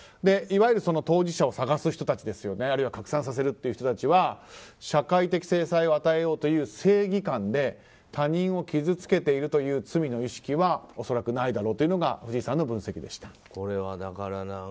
いわゆる当事者を捜す人たちあるいは拡散させる人たちは社会的制裁を与えようという正義感で、他人を傷つけているという罪の意識は恐らくないだろうというのが藤井さんの分析でした。